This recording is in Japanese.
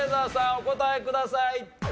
お答えください。